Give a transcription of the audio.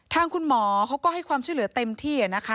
ทางคุณหมอเขาก็ให้ความช่วยเหลือเต็มที่นะคะ